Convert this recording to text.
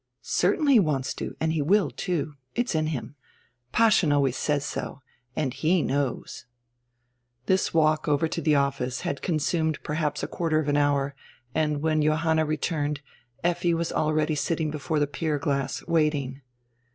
"Certainly he wants to, and he will, too. It's in him. Paaschen always says so and he knows." This walk over to die office had consumed perhaps a quarter of an hour, and when Johanna returned, Effi was already sitting before the pier glass, waiting.